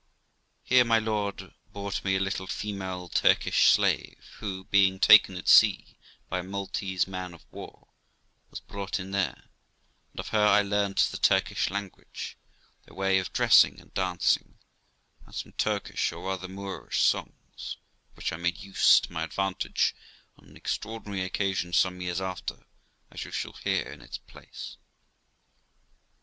Here my lord bought me a little female Turkish slave, who, being taken at sea by a Maltese man of war, was brought in there, and of her I learnt the Turkish language, their way of dressing and dancing, and some Turk ish, or rather Moorish, songs, of which I made use to my advantage on an extraordinary occasion some years after, as you shall hear in its place.